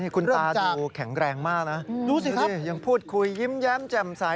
คุณตาดูแข็งแรงมากนะดูสิยังพูดคุยยิ้มแย้มแจ่มใส